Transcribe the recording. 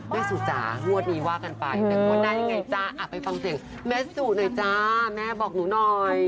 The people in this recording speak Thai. แม่สู่จ๊ะรวดนี้ว่ากันไปวันนั้นยังไงจ๊ะอ่ะไปฟังเตียงแม่สู่หน่อยจ๊ะแม่บอกหนูหน่อย